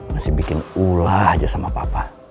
masih bikin ulah aja sama papa